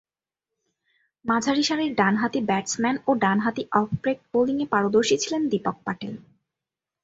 মাঝারিসারির ডানহাতি ব্যাটসম্যান ও ডানহাতি অফ ব্রেক বোলিংয়ে পারদর্শী ছিলেন দীপক প্যাটেল।